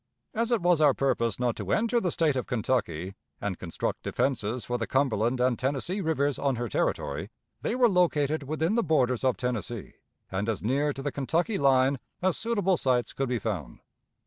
As it was our purpose not to enter the State of Kentucky and construct defenses for the Cumberland and Tennessee Rivers on her territory, they were located within the borders of Tennessee, and as near to the Kentucky line as suitable sites could be found.